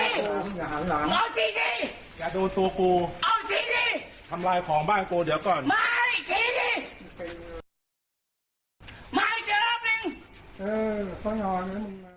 แล้วก็คืออีกฝ่ายหนึ่งก็ตะโกนบ่ยบายเสียงดังด้วย